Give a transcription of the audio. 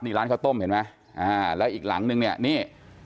นี่ร้านข้าวต้มเห็นไหมอ่าแล้วอีกหลังนึงเนี่ยนี่